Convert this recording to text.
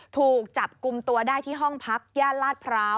ถูกจับกลุ่มตัวได้ที่ห้องพักย่านลาดพร้าว